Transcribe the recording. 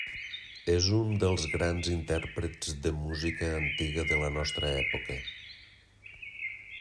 És un dels grans intèrprets de música antiga de la nostra època.